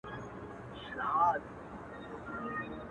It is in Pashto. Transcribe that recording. • څو په نوم انسانيت وي -